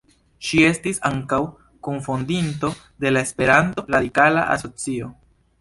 Ŝi estis ankaŭ kunfondinto de la Esperanto Radikala Asocio.